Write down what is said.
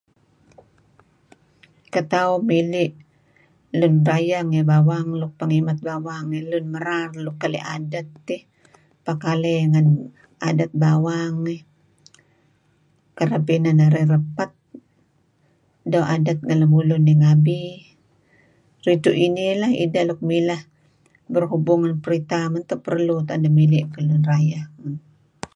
Ketauh mili lun rayeh ngi bawang tauh ngi dayeh nk pah ngimat bawang iih Lun Merar nuk keli' adet dih pakaley ngen adet bawang iih kereb inan narih rapet doo' adet ngen lemulun ngabi . Ridtu' inih ideh mileh berhubung ngen printah. Idah meto' perlu tuen narih mili' kuh Lun Rayeh.